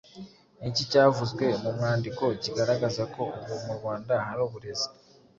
Ni iki cyavuzwe mu mwandiko kigaragaza ko ubu mu Rwanda hari uburezi